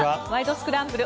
スクランブル」